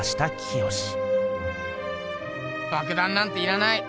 爆弾なんていらない！